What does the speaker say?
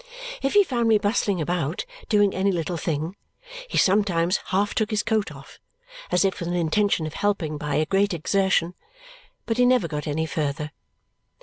If he found me bustling about doing any little thing, he sometimes half took his coat off, as if with an intention of helping by a great exertion; but he never got any further.